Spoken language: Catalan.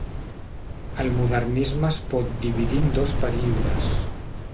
El Modernisme es pot dividir en dos períodes.